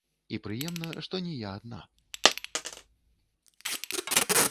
І прыемна, што не я адна.